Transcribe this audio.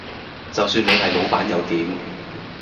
就算你係老闆又點